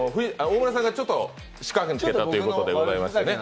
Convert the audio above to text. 大村さんがちょっと仕掛けたということでございますね。